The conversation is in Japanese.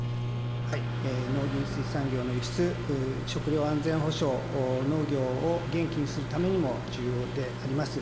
農林水産業の輸出、食料安全保障、農業を元気にするためにも、重要であります。